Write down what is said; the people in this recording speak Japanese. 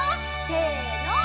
せの！